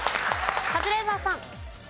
カズレーザーさん。